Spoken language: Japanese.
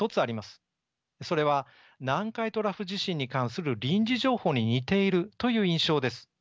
それは南海トラフ地震に関する臨時情報に似ているという印象です。